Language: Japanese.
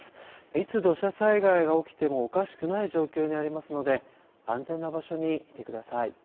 いつ土砂災害が起きてもおかしくない状況にありますので安全な場所にいてください。